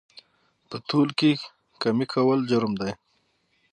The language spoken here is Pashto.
په تول کې کمي کول جرم دی